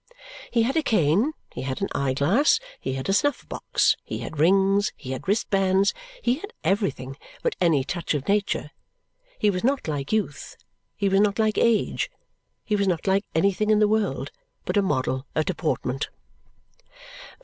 He had a cane, he had an eye glass, he had a snuff box, he had rings, he had wristbands, he had everything but any touch of nature; he was not like youth, he was not like age, he was not like anything in the world but a model of deportment.